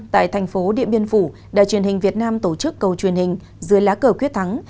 tại thành phố điện biên phủ đài truyền hình việt nam tổ chức cầu truyền hình dưới lá cờ quyết thắng